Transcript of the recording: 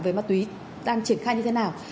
về ma túy đang triển khai như thế nào